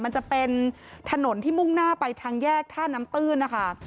มันจะเป็นถนนที่มุ่งหน้าไปทางแยกท่าน้ำตื้นนะคะ